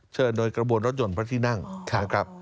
เชิญโดยกระบวนรถยนต์พระที่นั่ง